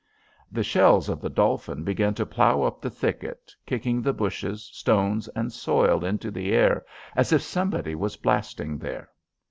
The shells of the Dolphin began to plough up the thicket, kicking the bushes, stones, and soil into the air as if somebody was blasting there.